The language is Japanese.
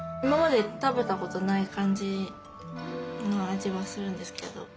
今まで食べたことない感じの味はするんですけど。